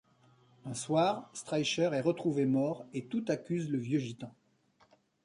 Un soir, Streicher est retrouvé mort et tout accuse le vieux gitan...